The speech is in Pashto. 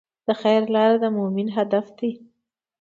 د خیر لاره د مؤمن هدف دی.